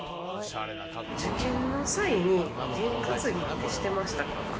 受験の際に験担ぎってしてましたか？